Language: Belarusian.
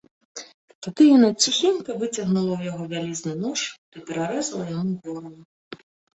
Тагды яна ціхенька выцягнула ў яго вялізны нож ды перарэзала яму горла.